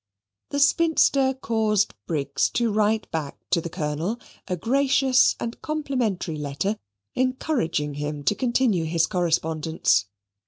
The spinster caused Briggs to write back to the Colonel a gracious and complimentary letter, encouraging him to continue his correspondence.